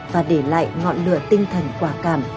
và để lại ngọn lửa tinh thần quả cảm